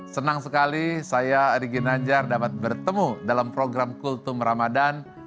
senang sekali saya rigi nanjar dapat bertemu dalam program kultum ramadhan